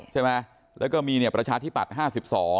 ใช่ไหมแล้วก็มีเนี่ยประชาธิบัติ๕๒